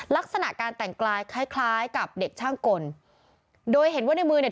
ลักษณะการแต่งกายคล้ายคล้ายกับเด็กช่างกลโดยเห็นว่าในมือเนี่ย